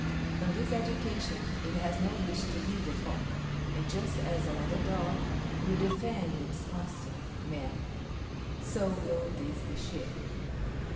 From this education it has no wish to leave the flock, and just as another dog will defend its master, man, so will these the sheep.